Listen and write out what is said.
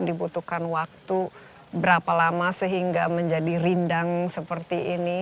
dibutuhkan waktu berapa lama sehingga menjadi rindang seperti ini